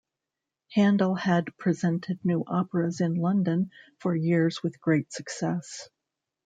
Handel had presented new operas in London for years with great success.